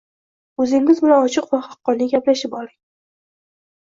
O’zingiz bilan ochiq va haqqoniy gaplashib oling